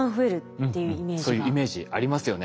そういうイメージありますよね。